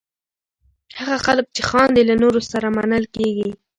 هغه خلک چې خاندي، له نورو سره منل کېږي.